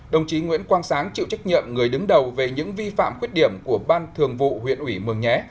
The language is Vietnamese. đồng chí nguyễn quang sáng chịu trách nhiệm người đứng đầu về những vi phạm khuyết điểm của ban thường vụ huyện ủy mường nhé